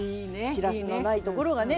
しらすのないところがね